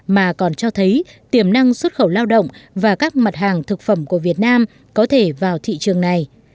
mà còn cho thấy tiềm năng xuất khẩu lao động và các mặt hàng thực phẩm của việt nam có thể vào thị trường này